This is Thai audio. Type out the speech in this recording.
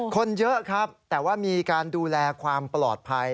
คนเยอะครับแต่ว่ามีการดูแลความปลอดภัย